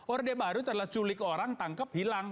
orde baru adalah culik orang tangkep hilang